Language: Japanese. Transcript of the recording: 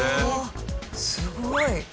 すごい。